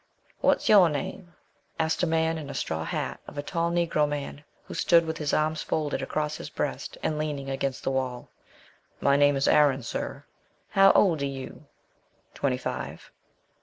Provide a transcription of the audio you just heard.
"What's your name?" asked a man in a straw hat of a tall Negro man, who stood with his arms folded across his breast, and leaning against the wall. "My name is Aaron, sir." "How old are you?" "Twenty five."